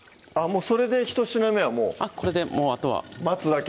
それでひと品目はもうこれであとは待つだけ？